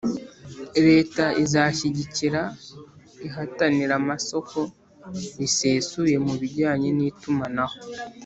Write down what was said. leta izashyigikira ihataniramasoko risesuye mu bijyanye n'itumanaho